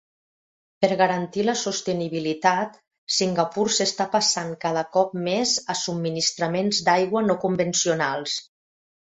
Per garantir la sostenibilitat, Singapur s'està passant cada cop més a subministraments d'aigua no convencionals.